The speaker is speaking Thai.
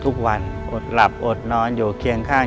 ทุกวันอดหลับอดนอนอยู่เกียงข้าง